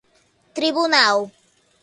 tribunal